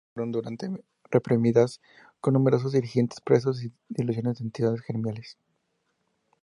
Las huelgas fueron duramente reprimidas, con numerosos dirigentes presos y disolución de entidades gremiales.